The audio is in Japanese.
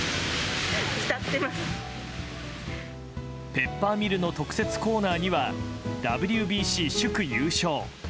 ペッパーミルの特設コーナーには「ＷＢＣ祝優勝」。